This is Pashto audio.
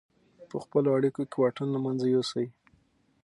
په خپلو اړیکو کې واټن له منځه یوسئ.